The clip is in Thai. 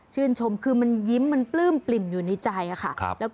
ชมคือมันยิ้มมันปลื้มปลิ่มอยู่ในใจค่ะ